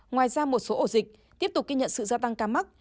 ngoài ra một số ổ dịch tiếp tục ghi nhận sự gia tăng ca mắc